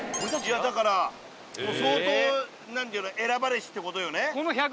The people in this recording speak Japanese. いやだから相当何ていうの選ばれしって事よね。